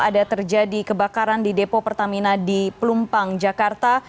ada terjadi kebakaran di depo pertamina di pelumpang jakarta